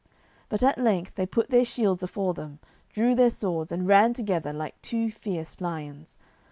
But at length they put their shields afore them, drew their swords, and ran together like two fierce lions.